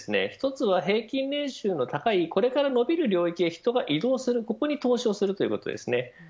１つは、平均年収の高いこれから伸びる領域の人が移動するところに投資するということです。